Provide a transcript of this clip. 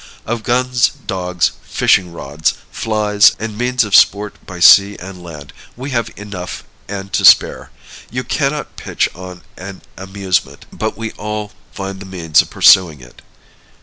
Of guns, dogs, fishing rods, flies, and means of sport by sea and land, we have enough and to spare; you cannot pitch on an amusement but we will find the means of pursuing it.